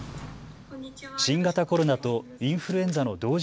新型コロナとインフルエンザの同時